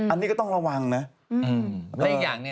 อันนี้ก็ต้องระวังนะ